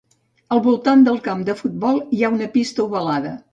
Al voltant del camp de futbol hi ha una pista ovalada.